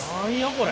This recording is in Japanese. これ。